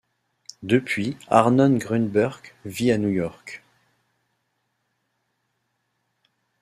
Depuis, Arnon Grünberg vit à New York.